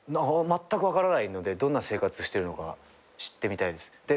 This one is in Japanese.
まったく分からないのでどんな生活してるのか知ってみたいですね。